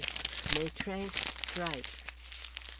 MAITRANK STRIKES.